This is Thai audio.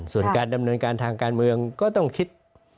ส่วนการดำเนินการทางการเมืองก็ต้องคิด